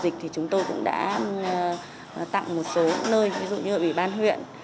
khi bắt đầu dịch thì chúng tôi cũng đã tặng một số nơi ví dụ như ở ủy ban huyện